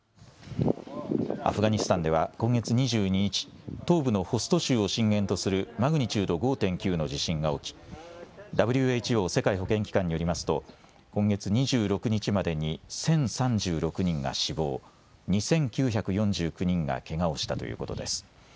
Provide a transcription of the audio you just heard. アフガニスタンでは今月２２日、東部のホスト州を震源とするマグニチュード５．９の地震が起きＷＨＯ・世界保健機関によりますと今月２６日までに１０３６人が死亡、２９４９人がけがをしたということです。